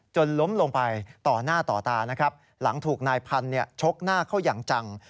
ล้มลงไปต่อหน้าต่อตานะครับหลังถูกนายพันธุ์ชกหน้าเข้าอย่างจัง